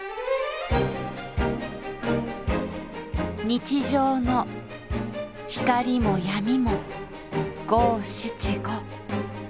日常の光も闇も五・七・五。